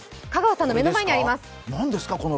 香川さんの目の前にあります。